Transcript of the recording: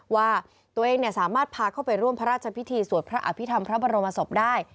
ว่าตัวเองสามารถพาเข้าไปร่วมพระราชพิธีสวดพระอภิษฐรรมพระบรมศพได้